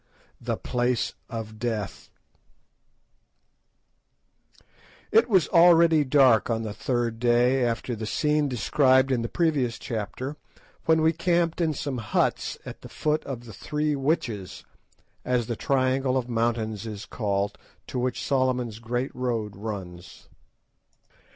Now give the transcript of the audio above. THE PLACE OF DEATH It was already dark on the third day after the scene described in the previous chapter when we camped in some huts at the foot of the "Three Witches," as the triangle of mountains is called to which Solomon's Great Road runs.